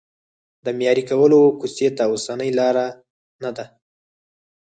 د معیاري کولو کوڅې ته اوسنۍ لار نه ده.